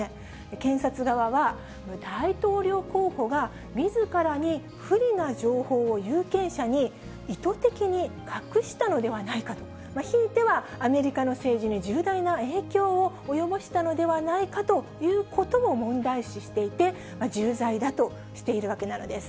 検察側は、大統領候補がみずからに不利な情報を有権者に意図的に隠したのではないかと、ひいては、アメリカの政治に重大な影響を及ぼしたのではないかということを問題視していて、重罪だとしているわけなんです。